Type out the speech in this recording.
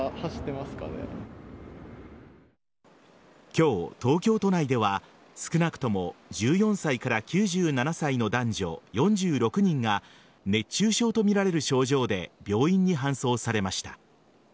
今日、東京都内では少なくとも１４歳から９７歳の男女４６人が熱中症とみられる症状で病院に搬送されました。